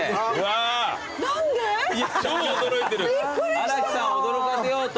荒木さんを驚かせようと。